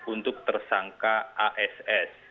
untuk tersangka ass